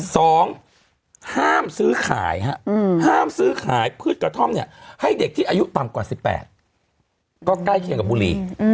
สองห้ามซื้อขายฮะห้ามซื้อขายพืชกระท่อมเนี่ยให้เด็กที่อายุต่ำกว่าสิบแปดก็ใกล้เคียงกับบุรี